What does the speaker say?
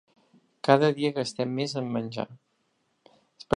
Cada dia gastem més en menjar.